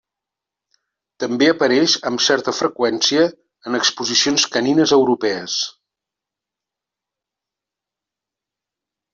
També apareix amb certa freqüència en exposicions canines europees.